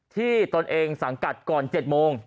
ตนเองสังกัดก่อน๗โมง